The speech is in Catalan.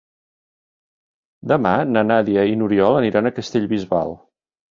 Demà na Nàdia i n'Oriol aniran a Castellbisbal.